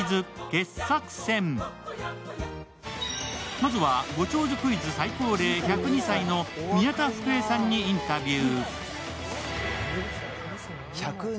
まずはご長寿クイズ最高齢１０２歳の宮田福榮さんにインタビュー。